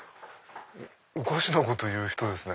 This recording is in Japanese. おかしなこと言う人ですね。